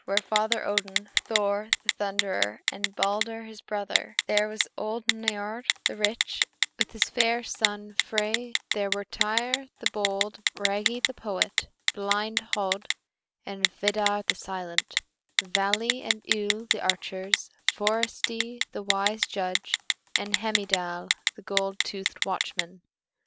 There were Father Odin, Thor the Thunderer, and Balder his brother; there was old Niörd the rich, with his fair son Frey; there were Tŷr the bold, Bragi the poet, blind Höd, and Vidar the silent; Vali and Ull the archers, Forseti the wise judge, and Heimdal the gold toothed watchman.